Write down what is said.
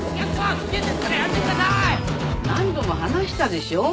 何度も話したでしょ？